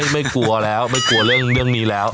ไม่กลัวแล้วไม่กลัวเรื่องนี้แล้ว